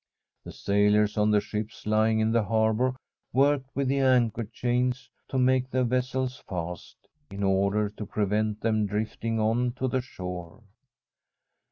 The sailors on the ships lying in the harbour worked with the anchor chains to make the ves sels fast, in order to prevent them drifting on to the shore.